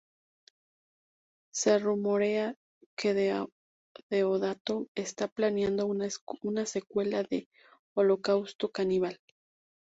Se rumorea que Deodato está planeando una secuela de "Holocausto Caníbal".